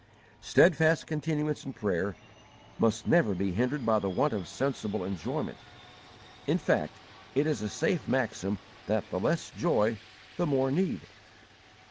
Steadfast continuance in prayer must never be hindered by the want of sensible enjoyment; in fact, it is a safe maxim that the less joy, the more need.